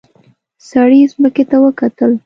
سړي ځمکې ته وکتل.